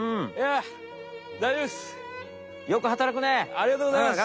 ありがとうございます！